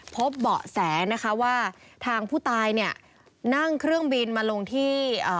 เบาะแสนะคะว่าทางผู้ตายเนี่ยนั่งเครื่องบินมาลงที่เอ่อ